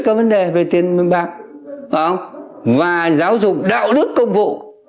giải quyết các vấn đề về tiền mương bạc và giáo dục đạo đức công vụ